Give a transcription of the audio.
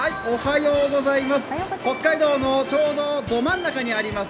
北海道のちょうどど真ん中にあります